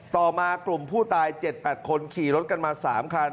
ต่อมากลุ่มผู้ตาย๗๘คนขี่รถกันมา๓คัน